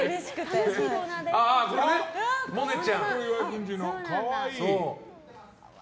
モネちゃんね。